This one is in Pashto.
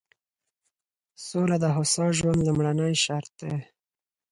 سوله د هوسا ژوند لومړنی شرط دی.